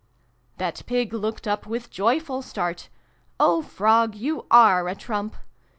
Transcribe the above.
" That Pig looked up with joyful start :" Oh Frog, you are a trump